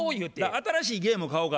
「新しいゲーム買おか」